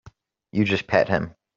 You just pat him.